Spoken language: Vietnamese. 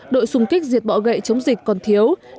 đội xung kích diệt bọ gậy chống dịch còn thiếu